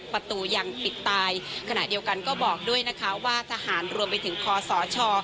ประตูยังปิดตายขณะเดียวกันก็บอกด้วยนะคะว่าทหารรวมไปถึงคอสช